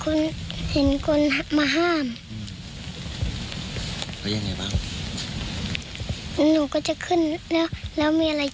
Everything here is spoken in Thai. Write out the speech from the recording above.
โขมงความสะเทือนในภารกิจสมัคร